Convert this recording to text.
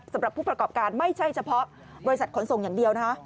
สำหรับผู้ประกอบการไม่ใช่เฉพาะบริษัทขนส่งอย่างเดียวนะคะ